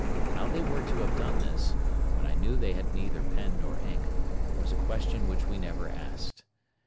How they were to have done this, when I knew they had neither pen nor ink, was a question which we never asked.